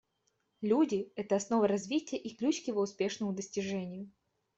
Люди — это основа развития и ключ к его успешному достижению.